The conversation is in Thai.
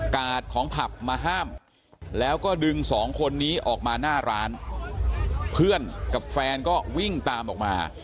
กาดของผับมาห้ามแล้วก็ดึงสองคนนี้ออกมาหน้าร้านเพื่อนกับแฟนก็วิ่งตามออกมา